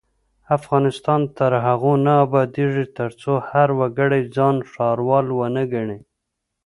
افغانستان تر هغو نه ابادیږي، ترڅو هر وګړی ځان ښاروال ونه ګڼي.